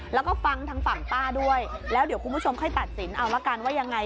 แล้วก็ฟังทางฝั่งป้าด้วยแล้วเดี๋ยวคุณผู้ชมค่อยตัดสินเอาละกันว่ายังไง